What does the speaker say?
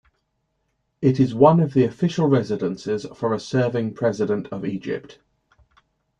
It is one of the official residences for a serving President of Egypt.